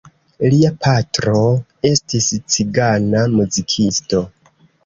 Lia patro estis cigana muzikisto.